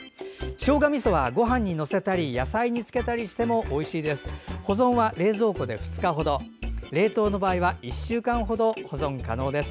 しょうがみそはごはんに載せたり野菜につけたりしてもおいしいです。